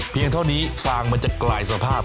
เท่านี้ฟางมันจะกลายสภาพ